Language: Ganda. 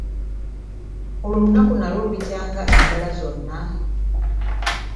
Olwo olunaku nalwo lulikya nga endala zonna?